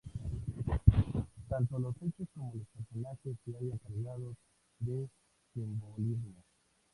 Tanto los hechos como los personajes se hallan cargados de simbolismo.